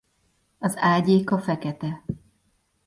Az ágyéka fekete.